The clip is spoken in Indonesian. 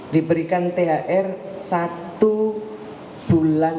diberikan thr satu bulan